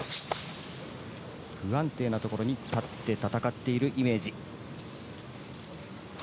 不安定なところに立って戦っているイメージ。